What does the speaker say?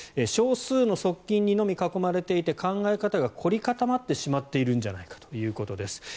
少数の側近にのみ囲まれていて考え方が凝り固まっているんじゃないかということです。